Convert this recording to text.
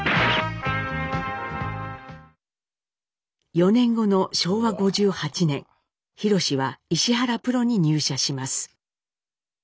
４年後の昭和５８年ひろしは石原プロに入社します。